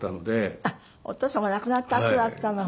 あっお父様亡くなったあとだったの。